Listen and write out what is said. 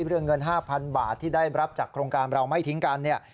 เรื่องเงิน๕๐๐๐บาทที่ได้รับจากโครงการเราไม่ทิ้งกันเนี่ย